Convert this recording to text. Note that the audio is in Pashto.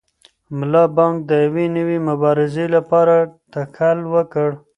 ملا بانګ د یوې نوې مبارزې لپاره تکل وکړ.